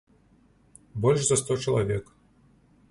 Больш за сто чалавек.